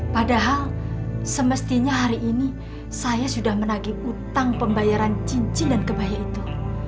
padahal semestinya hari ini saya sudah menagih utang pembayaran cincin dan kebaya itu